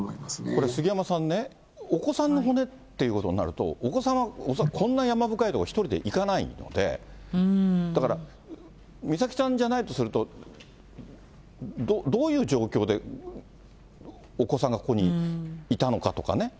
これ杉山さんね、お子さんの骨っていうことになると、お子さんは恐らくこんな山深い所、１人で行かないんで、だから美咲ちゃんじゃないとすると、どういう状況で、お子さんがここにいたのかとかね。